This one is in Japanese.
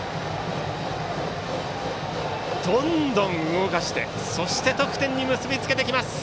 どんどん動かして得点に結び付けていきます。